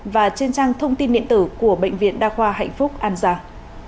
và trên trang thông tin điện tử của bệnh viện đa khoa hạnh phúc an giang